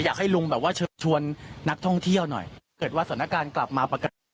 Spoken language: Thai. อยากให้ลุงแบบว่าเชิญชวนนักท่องเที่ยวหน่อยเกิดว่าสถานการณ์กลับมาปกติ